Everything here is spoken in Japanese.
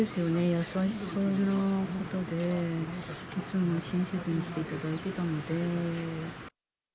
優しそうな方で、いつも親切にしていただいてたので。